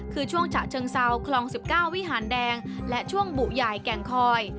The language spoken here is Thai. คือช่วงฉะเชิงเซาคลอง๑๙วิหารแดงและช่วงบุใหญ่แก่งคอย